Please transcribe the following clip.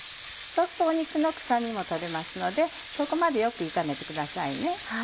そうすると肉の臭みも取れますのでそこまでよく炒めてくださいね。